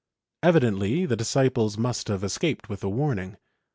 Evidently the disciples must have escaped with a warning.